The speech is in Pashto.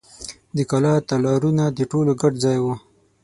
د کلا تالارونه د ټولو ګډ ځای و.